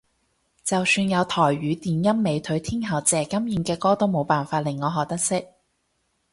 就算有台語電音美腿天后謝金燕嘅歌都冇辦法令我學得識